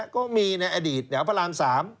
ก็มีในอดีตแถวพระราม๓